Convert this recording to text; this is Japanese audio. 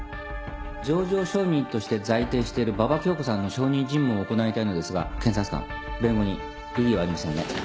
情状証人として在廷している馬場恭子さんの証人尋問を行いたいのですが検察官弁護人異議はありませんね。